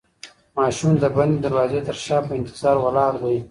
ماشوم د بندې دروازې تر شا په انتظار ولاړ دی.